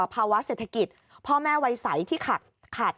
ภาวะเศรษฐกิจพ่อแม่วัยใสที่ขาด